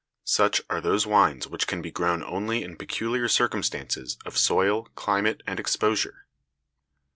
Such are those wines which can be grown only in peculiar circumstances of soil, climate, and exposure.